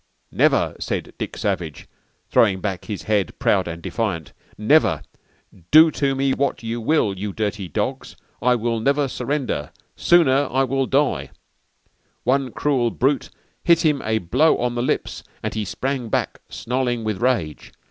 '_ _"'Never,' said Dick Savage, throwing back his head, proud and defiant, 'Never. Do to me wot you will, you dirty dogs, I will never surrender. Soner will I die.'_ _"One crule brute hit him a blo on the lips and he sprang back, snarling with rage.